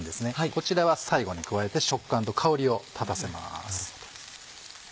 こちらは最後に加えて食感と香りを立たせます。